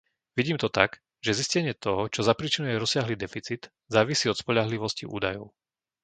Vidím to tak, že zistenie toho, čo zapríčiňuje rozsiahly deficit závisí od spoľahlivosti údajov.